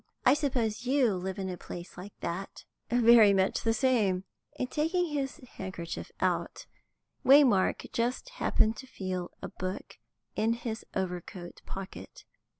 I suppose you live in a place like that?" "Very much the same." In taking his handkerchief out, Waymark just happened to feel a book in his overcoat pocket.